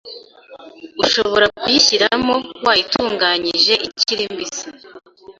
ushobora kuyishyiramo wayitunganyije ikiri mbisi